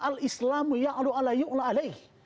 al islamu ya'lu alayu'l alayh